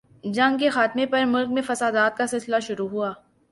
جنگ کے خاتمہ پر ملک میں فسادات کا سلسلہ شروع ہوا۔